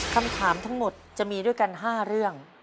คำถามทั้งหมดจะมีด้วยกัน๕เรื่อง